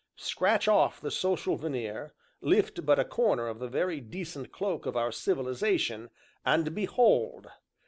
Scratch off the social veneer, lift but a corner of the very decent cloak of our civilization, and behold!